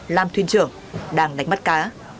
lam thuyên trưởng đang đánh mắt cá